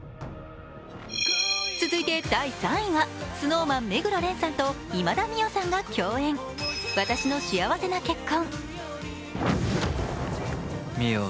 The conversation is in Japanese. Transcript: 続いて第３位は、ＳｎｏｗＭａｎ・目黒蓮さんと今田美桜さんが共演「わたしの幸せな結婚」